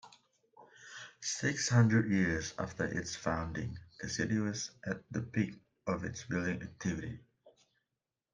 Six hundred years after its founding, the city was at the peak of its building activity.